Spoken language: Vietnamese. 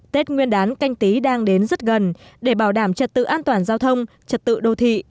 tết nguyên đán canh tí đang đến rất gần để bảo đảm trật tự an toàn giao thông trật tự đô thị